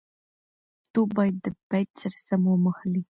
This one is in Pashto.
توپ باید د بېټ سره سم وموښلي.